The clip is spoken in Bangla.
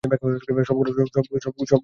সবগুলোর ছবি তুলো।